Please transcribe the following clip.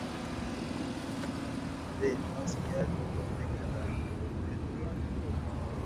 Bêyî maske nekeve hundirê dikanê.